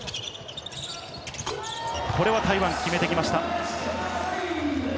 これは台湾決めてきました。